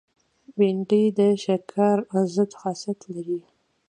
بېنډۍ د شکر ضد خاصیت لري